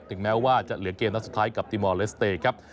แม้ว่าจะเหลือเกมนัดสุดท้ายกับติมอลเลสเตย์ครับ